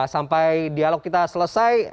sampai dialog kita selesai